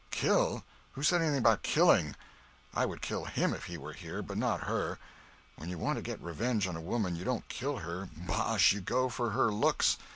"Kill? Who said anything about killing? I would kill him if he was here; but not her. When you want to get revenge on a woman you don't kill her—bosh! you go for her looks.